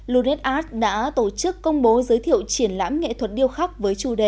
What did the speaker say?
luned art đã tổ chức công bố giới thiệu triển lãm nghệ thuật điêu khắc với chủ đề